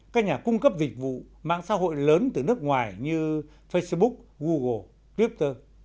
các nhà cung cấp dịch vụ mạng xã hội lớn từ nước ngoài như facebook google twitter